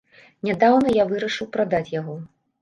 Нядаўна я вырашыў прадаць яго.